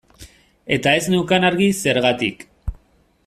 Eta ez neukan argi zergatik.